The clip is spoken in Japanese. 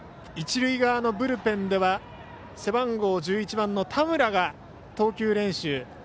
一塁側のブルペンでは背番号１１番の田村が、投球練習。